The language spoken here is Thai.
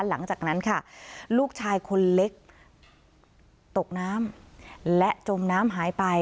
หลังจากนั้นค่ะลูกชายคนเล็กตกน้ำและจมน้ำหายไป